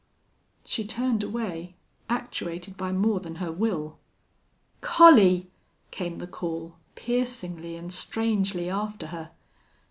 She turned away, actuated by more than her will. "Collie!" came the call, piercingly and strangely after her.